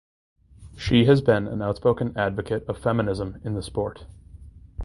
She has been an outspoken advocate of feminism in the sport.